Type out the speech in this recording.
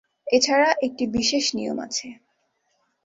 এছাড়া একটি বিশেষ নিয়ম আছে।